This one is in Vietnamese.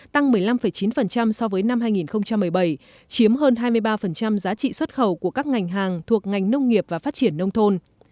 tăng một mươi năm chín so với năm hai nghìn một mươi bảy chiếm hơn hai mươi ba giá trị xuất khẩu của các ngành hàng thuộc ngành nông nghiệp và phát triển nông thôn